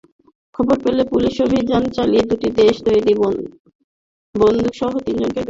খবর পেয়ে পুলিশ অভিযান চালিয়ে দুটি দেশে তৈরি বন্দুকসহ তিনজনকে গ্রেপ্তার করে।